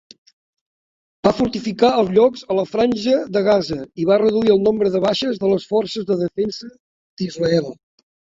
Va fortificar els llocs a la Franja de Gaza i va reduir el nombre de baixes de les Forces de Defensa d'Israel.